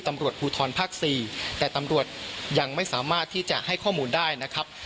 ตำรวจภูทรภาคสี่แต่ตำรวจยังไม่สามารถที่จะให้ข้อมูลได้นะครับ